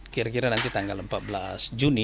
kira kira nanti tanggal empat belas juni